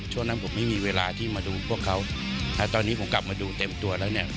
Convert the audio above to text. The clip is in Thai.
ช่วงนั้นผมไม่มีเวลาที่มาดูพวกเขาแล้วตอนนี้ผมกลับมาดูเต็มตัวแล้วเนี่ย